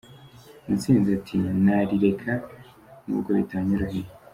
Mutsinzi ati : “Narireka n’ubwo bitanyoroheye.